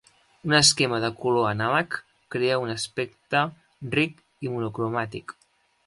Un esquema de color anàleg crea un aspecte ric i monocromàtic.